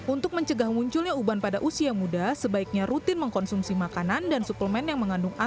untuk mencegah munculnya uban pada usia muda sebaiknya rutin mengkonsumsi makanan dan suplemen yang mengandung air